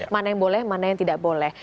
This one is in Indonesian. mana yang boleh mana yang tidak boleh